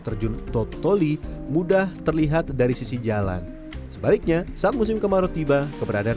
terjun totoli mudah terlihat dari sisi jalan sebaliknya saat musim kemarau tiba keberadaan